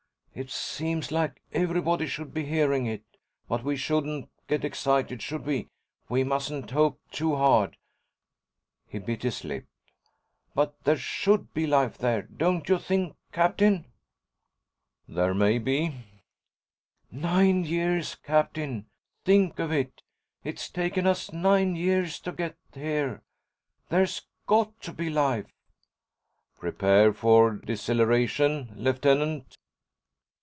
"It seems like everybody should be hearing it. But we shouldn't get excited, should we? We mustn't hope too hard." He bit his lip. "But there should be life there, don't you think, Captain?" "There may be." "Nine years, Captain. Think of it. It's taken us nine years to get here. There's got to be life." "Prepare for deceleration, Lieutenant."